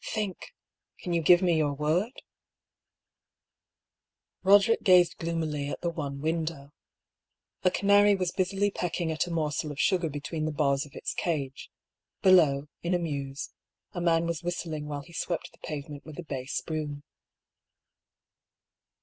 Think I Can you give me your word ?" Boderick gazed gloomily at the one window. A ca nary was busily pecking at a morsel of sugar between the bars of its cage; below, in a mews, a man was whistling while he swept the pavement with a bass broom.